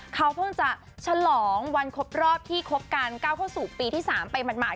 เขาเพิ่งจะฉลองวันครบรอบที่คบกัน๙๓ปีที่๓ไปหมด